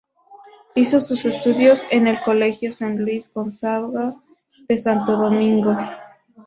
Hizo sus estudios en el Colegio San Luis Gonzaga de Santo Domingo.